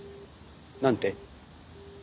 何て？